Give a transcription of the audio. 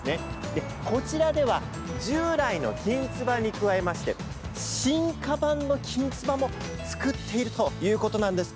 で、こちらでは従来のきんつばに加えまして進化版のきんつばも作っているということなんです。